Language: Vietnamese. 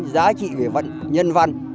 giá trị về nhân văn